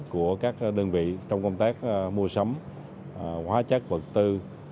của các đơn vị trong công tác mua sắm hóa chất vật tư